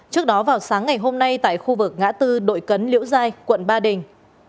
trước đó vào sáng ngày hôm nay tại khu vực ngã tư đội cấn liễu giai quận ba đình